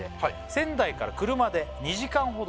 「仙台から車で２時間ほど」